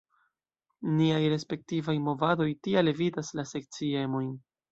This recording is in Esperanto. Niaj respektivaj movadoj tial evitas la sekciemojn.